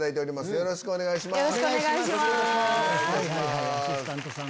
よろしくお願いします